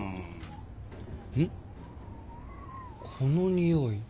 このにおい。